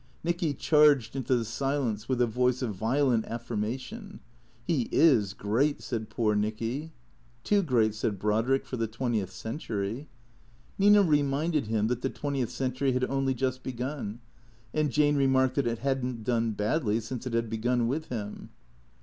Nicky charged into the silence with a voice of violent affirma tion. " He is great," said poor Nicky. " Too great," said Brodrick, " for the twentieth century." Nina reminded him that the twentieth century had only just begun, and Jane remarked that it had n't done badly since it had begun with him.